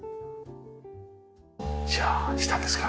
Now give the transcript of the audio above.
じゃあ下ですか。